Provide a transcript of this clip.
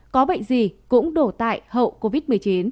có bệnh gì cũng đổ tại hậu covid một mươi chín